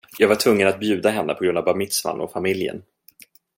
Jag var tvungen att bjuda henne på grund av bar mitzvahn och familjen.